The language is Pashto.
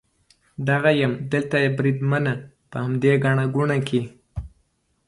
دغه یم، دلته یم بریدمنه، په همدې ګڼه ګوڼه کې.